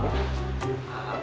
bentar ya be